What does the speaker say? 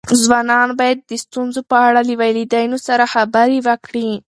ځوانان باید د ستونزو په اړه له والدینو سره خبرې وکړي.